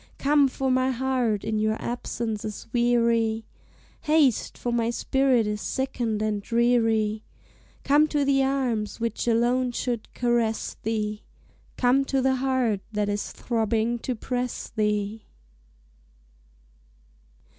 Come, for my heart in your absence is weary, Haste, for my spirit is sickened and dreary, Come to the arms which alone should caress thee. Come to the heart that is throbbing to press thee!